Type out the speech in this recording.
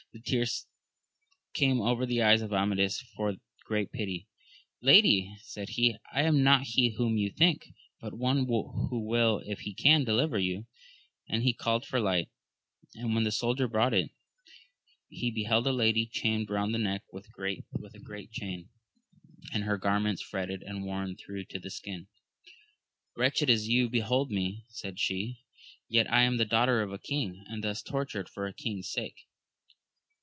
The tears came over the eyes of Amadis for great pity : Lady, said he, I am not he whom you think, but one who will if he can deliver you ; and he called for light, and when the soldier brought it, be Jbeld a lady chained Tound \Xie> tl^^^V^^^^^^^ ^JcksasscL^ AMADIS OF GAUL, 119 and her garments fretted and worn thro' to the sldn. Wretched as you behold me, said she, yet am I the daughter of a king, and thus tortured for a king's sake.